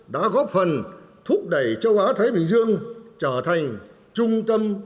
đã góp phần thúc đẩy châu á thái bình dương trở thành trung tâm